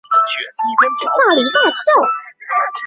吓了一大跳